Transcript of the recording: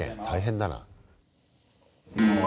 大変だな。